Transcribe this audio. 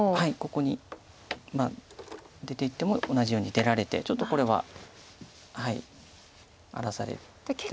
ここに出ていっても同じように出られてちょっとこれは荒らされてしまいます。